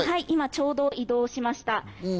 今ちょうど移動しました。